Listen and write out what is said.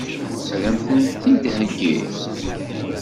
Ad m-tent-id-theggi?